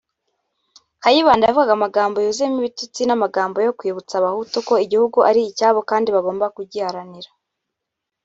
Kayibanda yavugaga amagambo yuzuyemo ibitutsi n’amagambo yo kwibutsa abahutu ko igihugu ari icyabo kandi ko bagomba kugiharanira